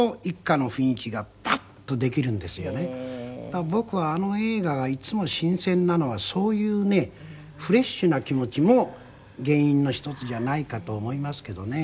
だから僕はあの映画がいつも新鮮なのはそういうねフレッシュな気持ちも原因の一つじゃないかと思いますけどね。